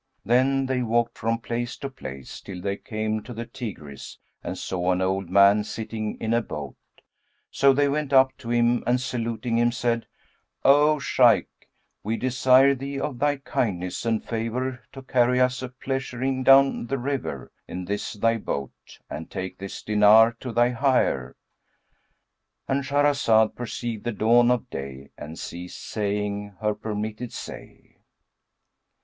Then they walked from place to place, till they came to the Tigris and saw an old man sitting in a boat; so they went up to him and saluting him, said, "O Shaykh, we desire thee of thy kindness and favour to carry us a pleasuring down the river, in this thy boat, and take this dinar to thy hire."—And Shahrazad perceived the dawn of day and ceased saying her permitted say.